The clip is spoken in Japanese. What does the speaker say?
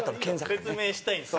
説明したいんですよ